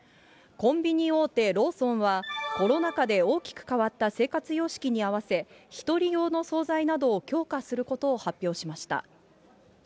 コンビニ大手、ローソンはコロナ禍で大きく変わった生活様式に合わせ、１人用の総菜などを強化することを発表しました。